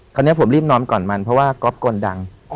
คราวนี้ผมรีบนอนก่อนมันเพราะว่าก๊อฟกลดัง